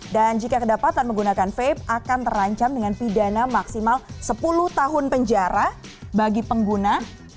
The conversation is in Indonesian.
dan jika kedapatan menggunakan vape akan terancam dengan pidana maksimal sepuluh tahun penjara bagi pengguna